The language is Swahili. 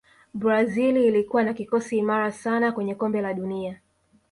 brazil ilikuwa na kikosi imara sana kwenye kombe la dunia